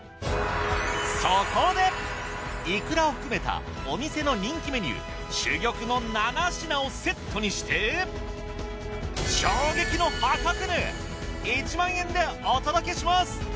そこでいくらを含めたお店の人気メニュー珠玉の７品をセットにして衝撃の破格値１万円でお届けします。